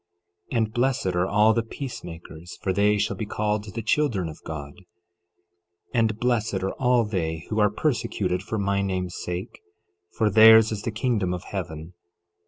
12:9 And blessed are all the peacemakers, for they shall be called the children of God. 12:10 And blessed are all they who are persecuted for my name's sake, for theirs is the kingdom of heaven.